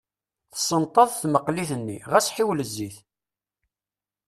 Tessenṭaḍ tmeqlit-nni, ɣas ḥiwel zzit.